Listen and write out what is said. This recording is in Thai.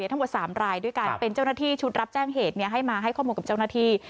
ทั้งหมด๓รายด้วยกันเป็นเจ้าหน้าที่ชุดรับแจ้งเหตุให้มาให้ข้อมูลกับเจ้าหน้าที่